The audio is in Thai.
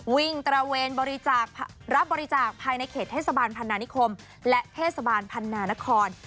ตระเวนบริจาครับบริจาคภายในเขตเทศบาลพันนานิคมและเทศบาลพันนานคร